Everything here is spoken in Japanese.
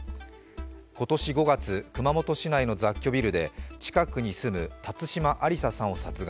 今年５月、熊本市内の雑居ビルで近くに住む辰島ありささんを殺害。